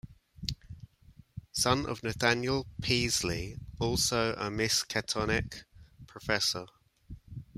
Son of Nathaniel Peaslee, also a Miskatonic professor.